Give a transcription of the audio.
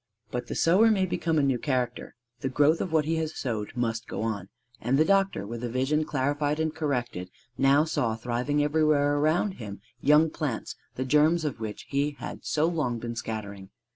But the sower may become a new character; the growth of what he has sowed must go on. And the doctor with a vision clarified and corrected now saw thriving everywhere around him young plants the germs of which he had so long been scattering.